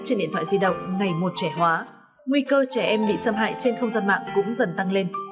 trên điện thoại di động ngày một trẻ hóa nguy cơ trẻ em bị xâm hại trên không gian mạng cũng dần tăng lên